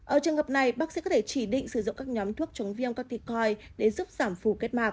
ở trường hợp này bác sĩ có thể chỉ định sử dụng các nhóm thuốc chống viêm corticoin để giúp giảm phù kết mạng